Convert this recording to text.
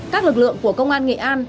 các lực lượng của công an nghệ an